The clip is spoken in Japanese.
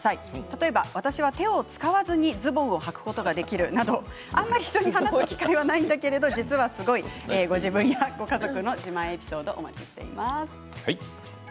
例えば、私は手を使わずにズボンをはくことができるなどあまり人に話す機会はないんだけれど実はすごいご自分やご家族の自慢のエピソードをお待ちしています。